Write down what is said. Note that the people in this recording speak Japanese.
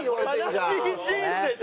「悲しい人生」って。